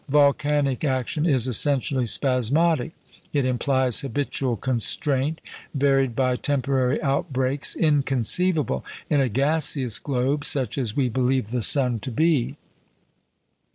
Volcanic action is essentially spasmodic. It implies habitual constraint varied by temporary outbreaks, inconceivable in a gaseous globe, such as we believe the sun to be.